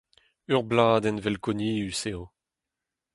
Ur bladenn velkonius eo.